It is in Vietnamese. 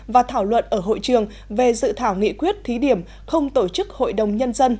và thảo luận ở hội trường về dự thảo nghị quyết thí điểm không tổ chức hội đồng nhân dân